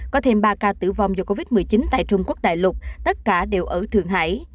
có thêm ba ca tử vong do covid một mươi chín tại trung quốc đại lục tất cả đều ở thượng hải